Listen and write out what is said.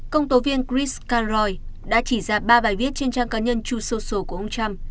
công tố viên chris calroy đã chỉ ra ba bài viết trên trang cá nhân true social của ông trump